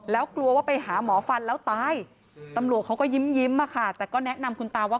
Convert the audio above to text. แล้วกลัวว่าไปหาหมอฟันแล้วตายตำรวจเขาก็ยิ้มแต่ก็แนะนำคุณตาว่า